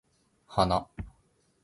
花